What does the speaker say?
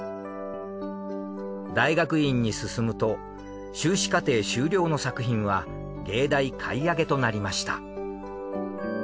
大学院に進むと修士課程修了の作品は藝大買い上げとなりました。